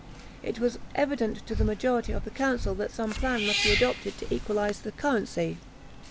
It was evident to the majority of the council that some plan must be adopted to equalise the currency.